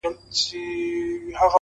چي در رسېږم نه- نو څه وکړم ه ياره-